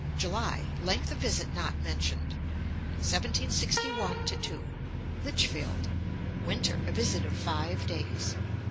July, length of visit not mentioned. Ante, i. 347. 1761 2. Lichfield. Winter, a visit of five days.